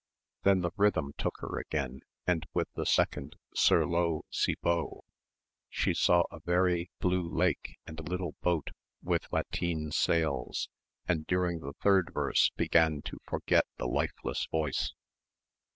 Then the rhythm took her again and with the second "sur l'eau, si beau," she saw a very blue lake and a little boat with lateen sails, and during the third verse began to forget the lifeless voice.